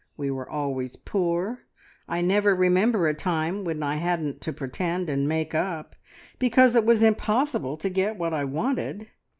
We were always poor. I never remember a time when I hadn't to pretend and make up, because it was impossible to get what I wanted.